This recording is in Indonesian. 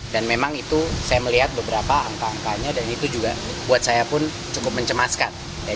dan memang itu saya melihat beberapa angka angkanya dan itu juga buat saya pun cukup mencemaskan